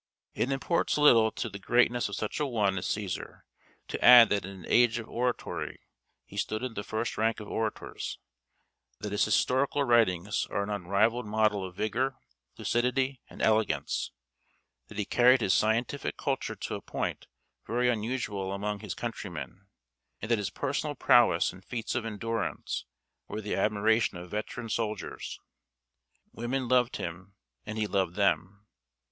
It imports little to the greatness of such a one as Cæsar, to add that in an age of oratory he stood in the first rank of orators; that his historical writings are an unrivalled model of vigor, lucidity, and elegance; that he carried his scientific culture to a point very unusual among his countrymen; and that his personal prowess and feats of endurance were the admiration of veteran soldiers. Women loved him, and he loved them.